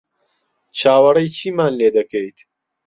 چاوەڕێی چیمان لێ دەکەیت؟